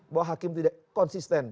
bahwa hakim tidak konsisten